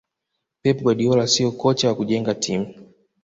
pep guardiola siyo kocha wa kujenga timu